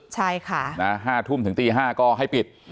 ใช่ค่ะ๕ทุ่มถึงตี๕ก็ให้ปิด